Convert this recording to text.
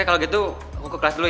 oke kalau gitu aku ke kelas dulu ya